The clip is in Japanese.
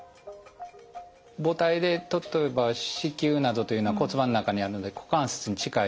母胎で例えば子宮などというのは骨盤の中にあるんで股関節に近いです。